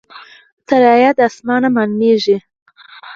الوتکه د اسمان ښکاریږي.